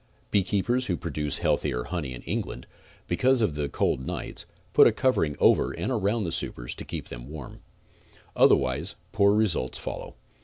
Beekeepers who produce heather honey in England, because of the cold nights, put a covering over and around the supers to keep them warm. Otherwise poor results follow.